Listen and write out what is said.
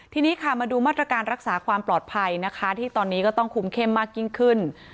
ทีนี้ค่ะมาดูมาตรการรักษาความปลอดภัยนะคะที่ตอนนี้ก็ต้องคุมเข้มมากยิ่งขึ้น